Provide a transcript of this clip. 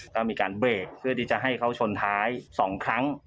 ก็มีการเบรกเพื่อที่จะให้เขาชนท้าย๒ครั้ง